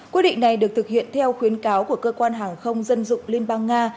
quyết định này được thực hiện theo khuyến cáo của cơ quan hàng không dân dụng liên bang nga